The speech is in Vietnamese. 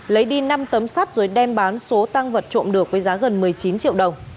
lấy đi năm tấm sắt rồi đem bán số tăng vật trộm được với giá gần một mươi chín triệu đồng